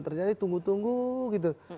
ternyata ini tunggu tunggu gitu